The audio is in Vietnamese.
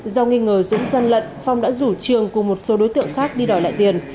do nghi ngờ dũng gian lận phong đã rủ trường cùng một số đối tượng khác đi đòi lại tiền